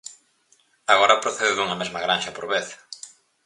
Agora procede dunha mesma granxa por vez.